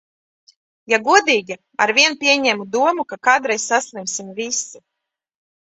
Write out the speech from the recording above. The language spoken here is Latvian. Ja godīgi, arvien pieņemu domu, ka kādreiz saslimsim visi.